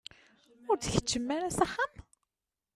Ur d-tkeččmem ara s axxam?